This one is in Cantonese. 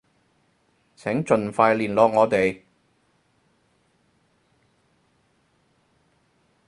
請盡快聯絡我哋